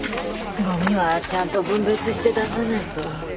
ごみはちゃんと分別して出さないと。